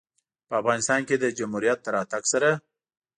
په افغانستان کې د جمهوریت د راتګ سره